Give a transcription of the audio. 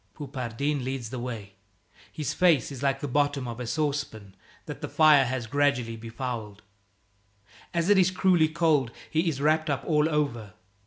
Poupardin leads the way. His face is like the bottom of a saucepan that the fire has gradually befouled. As it is cruelly cold, he is wrapped up all over.